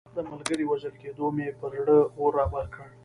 د ملګري وژل کېدو مې پر زړه اور رابل کړ.